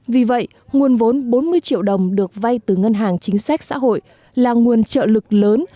vì vậy nguồn vốn bốn mươi triệu đồng được vay từ ngân hàng chính sách xã hội là nguồn trợ lực lớn